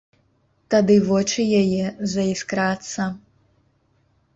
Тады вочы яе заіскрацца.